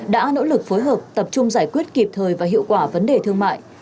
đã nỗ lực phối hợp tập trung giải quyết kịp thời và hiệu quả vấn đề thương mại